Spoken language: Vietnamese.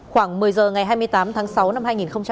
khoảng một mươi h ngày hai mươi tám tháng sáu năm hai nghìn hai mươi